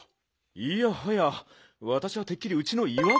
いやはやわたしはてっきりうちのいわ